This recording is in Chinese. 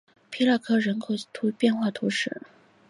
皮奥朗克人口变化图示